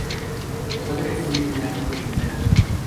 Su padre fue empleado público.